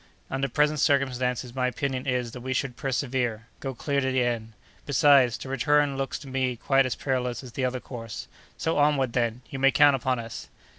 Under present circumstances, my opinion is, that we should persevere—go clear to the end. Besides, to return looks to me quite as perilous as the other course. So onward, then! you may count upon us!"